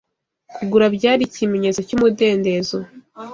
kugura byari, ikimenyetso cy "umudendezo",